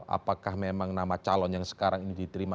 apakah memang nama calon yang sekarang ini diterima